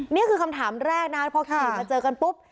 นี่คือคำถามแรกนะพอขี่มาเจอกันปุ๊บ